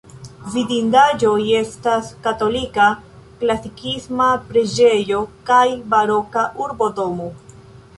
Vidindaĵoj estas katolika klasikisma preĝejo kaj baroka urbodomo.